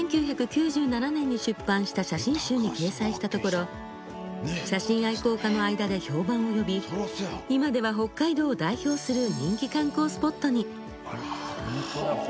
１９９７年に出版した写真集に掲載したところ写真愛好家の間で評判をよび今では北海道を代表する人気観光スポットに。